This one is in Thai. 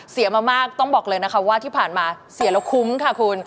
เสียมามากต้องบอกเลยนะคะว่าที่ผ่านมาเสียแล้วคุ้มค่ะคุณ